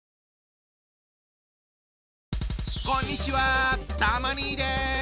こんにちはたま兄です。